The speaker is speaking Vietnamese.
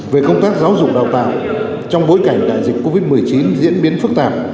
về công tác giáo dục đào tạo trong bối cảnh đại dịch covid một mươi chín diễn biến phức tạp